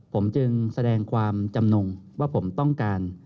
ผมจึงแสดงความจำนงว่าผมต้องการ